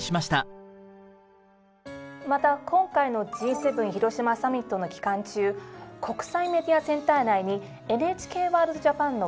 また今回のＧ７広島サミットの期間中国際メディアセンター内に「ＮＨＫワールドＪＡＰＡＮ」のブースを設け